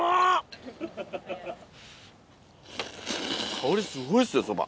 香りすごいっすよ蕎麦。